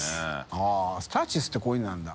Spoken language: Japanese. はぁスターチスってこういうのなんだ